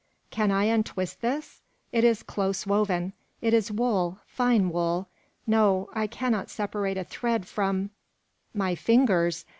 "Can I untwist this? It is close woven; it is wool, fine wool. No, I cannot separate a thread from "My fingers!